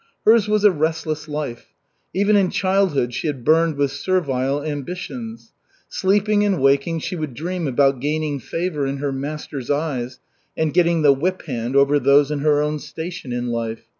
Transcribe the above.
Hers was a restless life. Even in childhood she had burned with servile ambitions. Sleeping and waking, she would dream about gaining favor in her master's eyes and getting the whiphand over those in her own station in life.